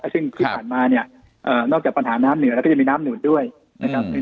ซึ่งที่ผ่านมาเนี่ยนอกจากปัญหาน้ำเหนือแล้วก็จะมีน้ำหนุนด้วยนะครับ